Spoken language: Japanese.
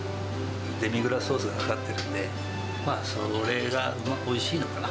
デミグラスソースがかかってるんで、それがおいしいのかな。